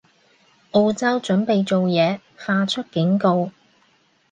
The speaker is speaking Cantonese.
澳洲準備做嘢，發出警告